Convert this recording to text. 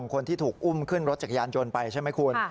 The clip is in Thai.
คนที่ถูกอุ้มขึ้นรถจักรยานยนต์ไปใช่ไหมคุณ